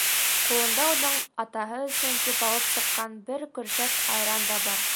Ҡулында уның атаһы өсөн тип алып сыҡҡан бер көршәк айран да бар.